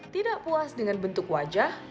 tidak puas dengan bentuk wajah